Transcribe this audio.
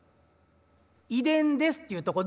「『遺伝です』っていうとこ」。